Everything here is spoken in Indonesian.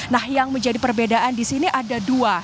nah yang menjadi perbedaan disini ada dua